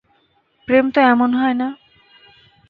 প্রেম তো এমন হয় না।